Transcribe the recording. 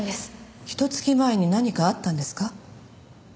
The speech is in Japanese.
ひと月前に何かあったんですか？